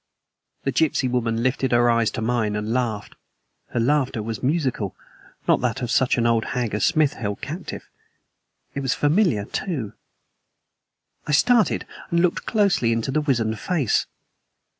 The gypsy woman lifted her eyes to mine and laughed. Her laughter was musical, not that of such an old hag as Smith held captive; it was familiar, too. I started and looked closely into the wizened face.